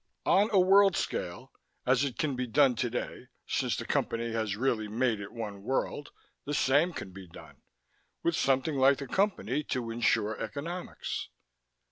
On a world scale, as it can be done today since the Company has really made it one world the same can be done, with something like the Company to insure economics."